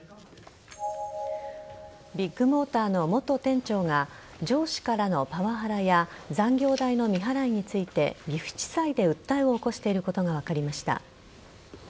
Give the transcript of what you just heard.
ビッグモーターの元店長が上司からのパワハラや残業代の未払いについて岐阜地裁で訴えを起こしていることが分かりました。